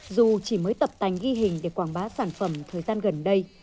dù chỉ mới tập tành ghi hình để quảng bá sản phẩm thời gian gần đây